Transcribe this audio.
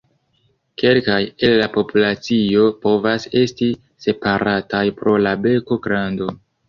Kelkaj el la populacioj povas esti separataj pro la beko grando.